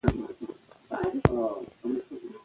تعلیم د فرد شخصیت راخلاصوي او پیاوړي کوي.